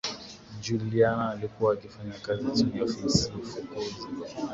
Juliana alikuwa akifanya kazi chini ya ofisi fukuzi